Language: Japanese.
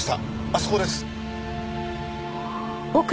あそこです。